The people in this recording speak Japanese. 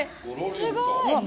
すごーい！